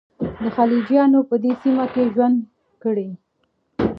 د خلجیانو په دې سیمه کې ژوند کړی.